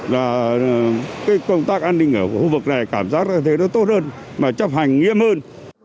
là cái công tác an ninh ở khu vực này cảm giác thấy nó tốt hơn mà chấp hành nghiêm hơn